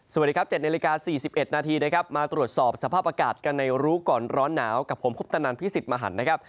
สวัสดีครับ๗นาฬิกา๔๑นาทีนะครับมาตรวจสอบสภาพอากาศกันในรู้ก่อนร้อนหนาวกับผมคุปตนันพิสิทธิ์มหันนะครับ